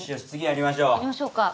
やりましょうか。